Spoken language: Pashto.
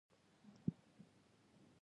دا ښارونه د چاپیریال د مدیریت لپاره مهم دي.